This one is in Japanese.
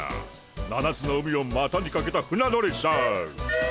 七つの海をまたにかけた船乗りさ。